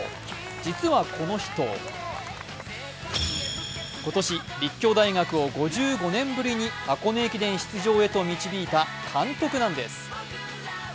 実は、この人今年立教大学を５５年ぶりに箱根駅伝出場へと導いた監督なんです。